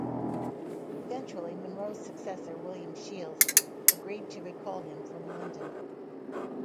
Eventually Munro's successor, William Shiels, agreed to recall him from London.